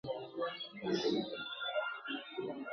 ما پرون په نیمه شپه کي پیر په خوب کي دی لیدلی ..